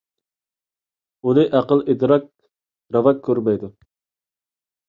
ئۇنى ئەقىل - ئىدراك راۋا كۆرمەيدۇ.